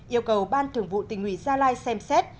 yêu cầu ban thường vụ tỉnh ủy gia lai xem xét